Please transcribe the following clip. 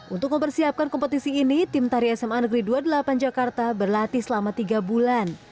untuk mempersiapkan kompetisi ini tim tari sma negeri dua puluh delapan jakarta berlatih selama tiga bulan